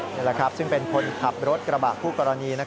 นี่แหละครับซึ่งเป็นคนขับรถกระบะคู่กรณี